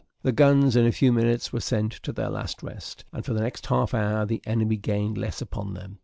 The guns in a few minutes were sent to their last rest; and for the next half hour the enemy gained less upon them.